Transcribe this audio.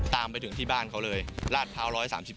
ตามไปถึงที่บ้านเขาเลยลาดพร้าว๑๓๒